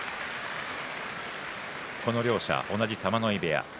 この両者、同じ玉ノ井部屋です。